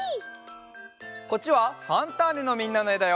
こっちは「ファンターネ！」のみんなのえだよ。